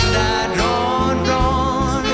แดดร้อนร้อน